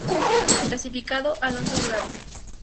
Clasificado: Alfonso Ugarte.